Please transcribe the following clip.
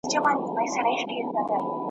د ارغند خاوري به مي رانجه وي !.